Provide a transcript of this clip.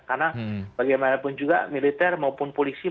karena bagaimanapun juga militer maupun polisi